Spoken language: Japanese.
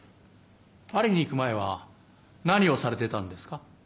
パリに行く前は何をされてたんですか？